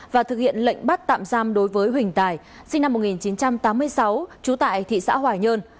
và thực hiện lệnh bắt tạm giam đối với huỳnh tài sinh năm một nghìn chín trăm tám mươi sáu trú tại thị xã hòa nhơn